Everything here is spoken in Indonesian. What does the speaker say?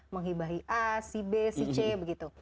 menghibahi a si b si c begitu